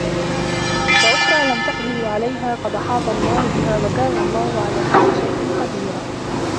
وَأُخرى لَم تَقدِروا عَلَيها قَد أَحاطَ اللَّهُ بِها وَكانَ اللَّهُ عَلى كُلِّ شَيءٍ قَديرًا